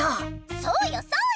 そうよそうよ！